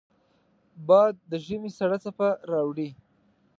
باد د ژمې سړه څپه راوړي